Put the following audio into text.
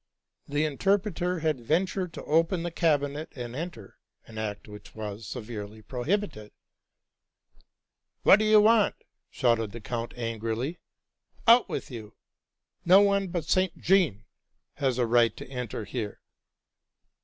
The interpreter had ventured to open the cabinet and enter, an act which was severely prohibited. '* What do you want?"' shouted the count angrily. '* Out with you! —no one but St. Jean has a right to enter here."